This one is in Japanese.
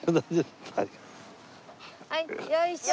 はいよいしょ。